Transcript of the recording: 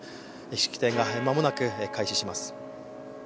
式典が間もなく開始します。